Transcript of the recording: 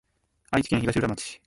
愛知県東浦町